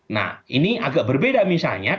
nah ini agak berbeda misalnya